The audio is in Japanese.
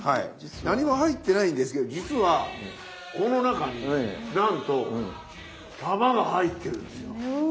何も入ってないんですけど実はこの中になんと玉が入ってるんですよ。